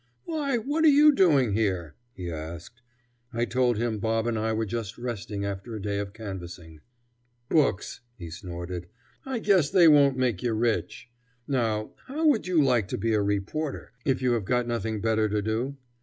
"Why, what are you doing here?" he asked. I told him Bob and I were just resting after a day of canvassing. "Books!" he snorted. "I guess they won't make you rich. Now, how would you like to be a reporter, if you have got nothing better to do?